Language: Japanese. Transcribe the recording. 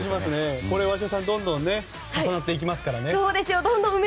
鷲田さん、どんどん埋まっていきますからね。